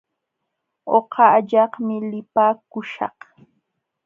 Uqa allaqmi lipaakuśhaq.